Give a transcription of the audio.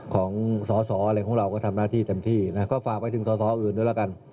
ของสอสออะไรของเราก็ทำหน้าที่เต็มที่นะก็ฝากไปถึงสอสออื่นด้วยแล้วกัน